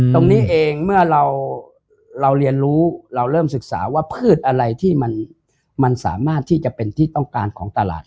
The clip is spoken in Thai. ตรงนี้เองเมื่อเราเรียนรู้เราเริ่มศึกษาว่าพืชอะไรที่มันสามารถที่จะเป็นที่ต้องการของตลาด